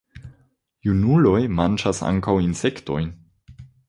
Junuloj manĝas ankaŭ insektojn.